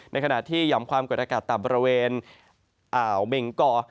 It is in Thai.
ในขณะที่ห่อมความกดอากาศต่ำบริเวณอ่าวเมงกอ